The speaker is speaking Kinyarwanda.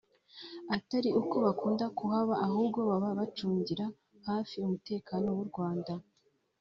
atari uko bakunda kuhaba ahubwo baba bacungira hafi umutekano w’u Rwanda